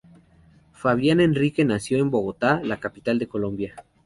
Fabián Enrique nació en Bogotá, la capital de Colombia.